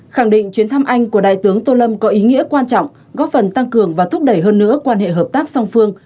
khẳng định chuyến thăm anh của đại tướng tô lâm có ý nghĩa quan trọng góp phần tăng cường và thúc đẩy hơn nữa quan hệ hợp tác song phương